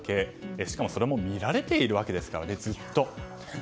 しかもそれも見られているわけですからねずっと。